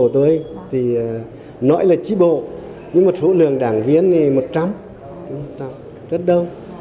tổ lượng đảng viên thì một trăm linh rất đông